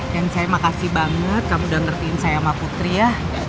dan saya makasih banget kamu udah ngertiin saya sama putri ya